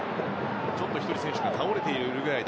ちょっと１人選手が倒れているウルグアイ。